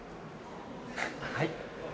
はい。